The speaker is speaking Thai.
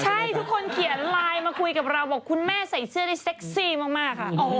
ใช่ทุกคนเขียนไลน์มาคุยกับเราบอกคุณแม่ใส่เสื้อได้เซ็กซี่มากค่ะ